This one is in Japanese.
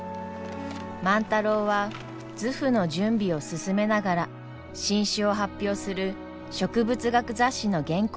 万太郎は図譜の準備を進めながら新種を発表する植物学雑誌の原稿も書いていました。